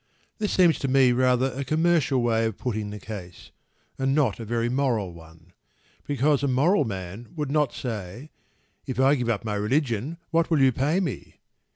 This seems to me rather a commercial way of putting the case, and not a very moral one. Because a moral man would not say: "If I give up my religion, what will you pay me?"